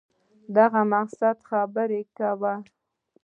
د مقصد خبره کوه !